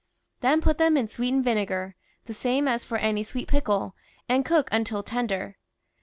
Then put them in sweetened vinegar, the same as for any sweet pickle, and cook until ten der.